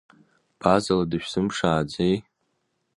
Базала дышәзымԥшааӡеи?